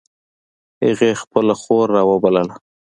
هغې خپله خور را و بلله